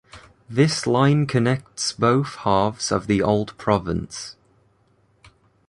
This line connects both halves of the old province.